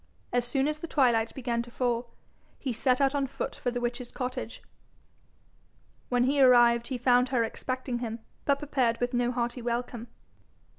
As soon as the twilight began to fall, he set out on foot for the witch's cottage. When he arrived, he found her expecting him, but prepared with no hearty welcome.